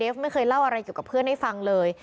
ไม่เคยเล่าอะไรเกี่ยวกับเพื่อนให้ฟังเลย